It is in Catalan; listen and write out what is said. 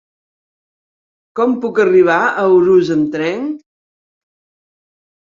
Com puc arribar a Urús amb tren?